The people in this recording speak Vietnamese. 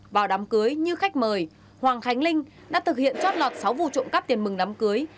vào đám cưới như khách mời hồng khánh linh đã thực hiện trót lọt sáu vụ trộm cấp tiền mừng đám cưới